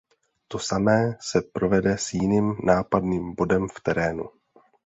To samé se provede s jiným nápadným bodem v terénu.